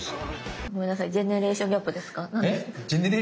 ごめんなさいジェネレーションギャップですか？